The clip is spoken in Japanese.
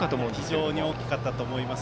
非常に大きかったと思います。